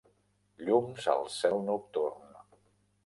Llums al cel nocturn.